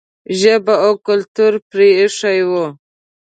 ژبه او کلتور پرې ایښی و.